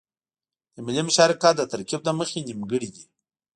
د ملي مشارکت د ترکيب له مخې نيمګړی دی.